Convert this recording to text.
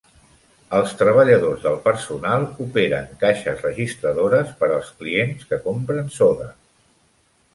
Els treballadors del personal operen caixes registradores per als clients que compren soda.